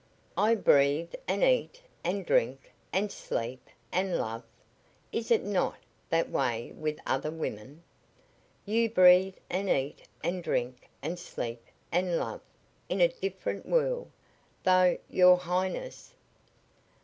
I breathe and eat and drink and sleep and love. Is it not that way with other women?" "You breathe and eat and drink and sleep and love in a different world, though, your Highness."